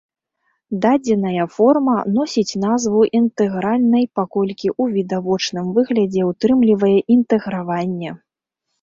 Дадзеная форма носіць назву інтэгральнай, паколькі ў відавочным выглядзе ўтрымлівае інтэграванне.